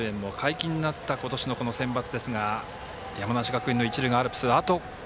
声出し応援も解禁になった今年のセンバツですが山梨学院の一塁側アルプス